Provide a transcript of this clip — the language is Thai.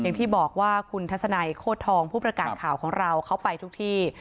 อย่างที่บอกว่าคุณทัศนัยโคตรทองผู้ประกาศข่าวของเราเขาไปทุกที่